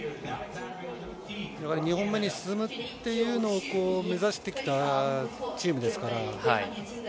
やはり２本目に進むというのを目指してきたチームですから。